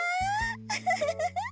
ウフフフフ。